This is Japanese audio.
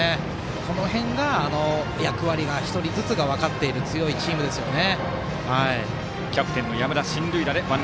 この辺が役割が１人ずつ分かっている強いチームですね。